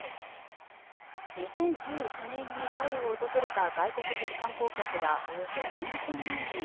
２０１９年にタイを訪れた外国人観光客はおよそ４０００万人。